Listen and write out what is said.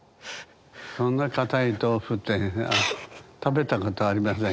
そんなかたい豆腐って食べたことありません。